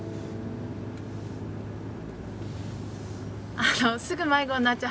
あのすぐ迷子になっちゃう。